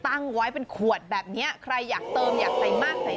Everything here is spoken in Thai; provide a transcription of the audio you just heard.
ตั้งไว้เป็นขวดแบบนี้ใครอยากเติมอยากใส่มากใส่